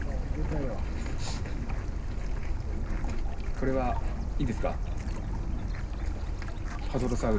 これはいいですか？